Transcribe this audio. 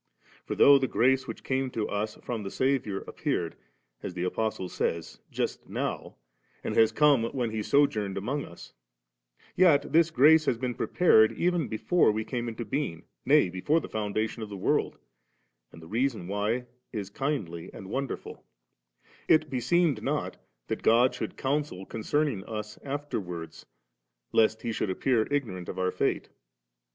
For though the grace which came to us from the Saviour appeared, as the Apostle says, just now, and has come when He sojourned among us ; yet this grace had been prepared even before we came into being, nay, before the foundation of the world, and the reason why is kindly and wonderful It beseemed not that God should counsel concerning us afterwards, lest He should appear ignorant of our fate.